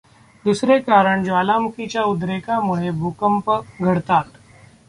दुसरे कारण ज्वालामुखीच्या उद्रेकामुळेदेखील भूकंप घडतात.